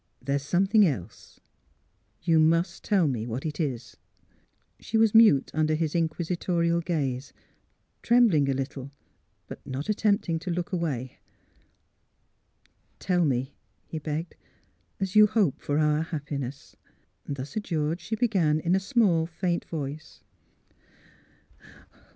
"■ There's something else; you must tell me what it is." THE CONFESSION 249 She was mute under his inquisitorial gaze, trem bling a little, but not attempting to look away. '' Tell me," he begged, "— as you hope for our happiness! " Thus adjured, she began, in a small, faint voice.